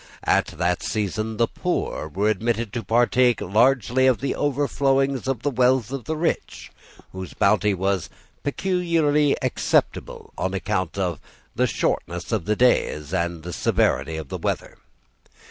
At that season the poor were admitted to partake largely of the overflowings of the wealth of the rich, whose bounty was peculiarly acceptable on account of the shortness of the days and of the severity of the weather.